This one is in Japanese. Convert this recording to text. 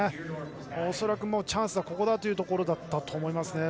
恐らくチャンスはここだというところだったと思います。